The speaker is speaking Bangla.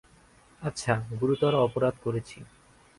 আচ্ছা, গুরুতর অপরাধ করেছি।